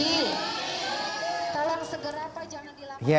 tolong segera pak jangan dilaporkan